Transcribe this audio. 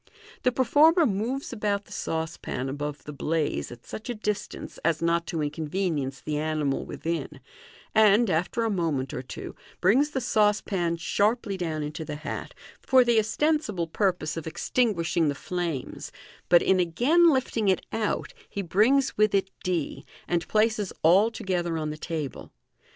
The performer moves about the saucepan above the blaze at such a distance as not to inconvenience the animal within, and, after a moment or two, brings the saucepan sharply down into the hat, for the ostensible purpose of extinguishing the flames, but in again lifting it out he brings with it d, and places all together on the table.